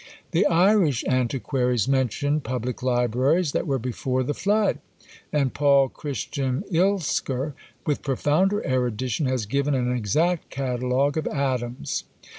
The Irish antiquaries mention public libraries that were before the flood; and Paul Christian Ilsker, with profounder erudition, has given an exact catalogue of Adam's.